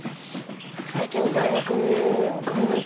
最近大学にいる意味を考えててね。